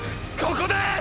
ここで！